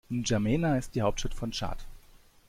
N’Djamena ist die Hauptstadt von Tschad.